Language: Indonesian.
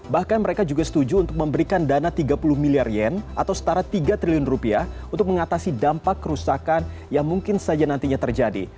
bahkan mereka juga setuju untuk memberikan dana tiga puluh miliar yen atau setara tiga triliun rupiah untuk mengatasi dampak kerusakan yang mungkin saja nantinya terjadi